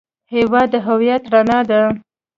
هېواد د هویت رڼا ده.